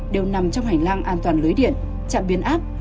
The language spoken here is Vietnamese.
đều nằm trong hành lang an toàn lưới điện chạm biến áp